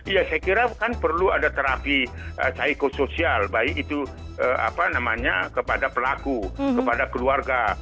ya saya kira bukan perlu ada terapi psikosoial baik itu kepada pelaku kepada keluarga